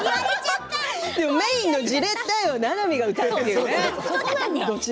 メインのじれったいはななみが歌うんだね。